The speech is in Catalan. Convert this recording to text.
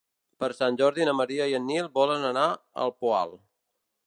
Per Sant Jordi na Maria i en Nil volen anar al Poal.